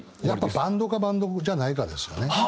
やっぱバンドかバンドじゃないかですよね。